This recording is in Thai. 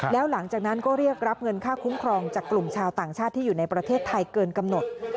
แล้วหลังจากนั้นก็เรียกรับเงินค่าคุ้มครองจากกลุ่มชาวต่างชาติที่อยู่ในประเทศไทยเกินกำหนด